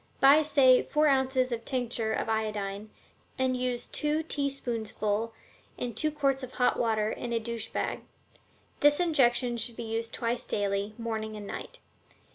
Buy, say, four ounces of tincture of iodine, and use two teaspoonsful in two quarts of hot water in a douche bag. This injection should be used twice a day, morning and night.